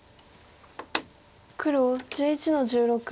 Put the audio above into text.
黒１１の十六。